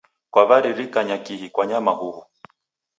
Kwaw'aririkanya kihi kwanyama huw'u?